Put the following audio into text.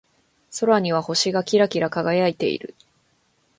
空には星がキラキラ輝いている。